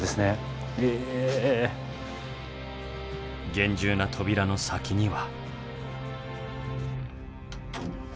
厳重な扉の先には。